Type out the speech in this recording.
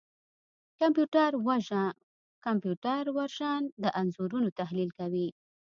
کمپیوټر وژن د انځورونو تحلیل کوي.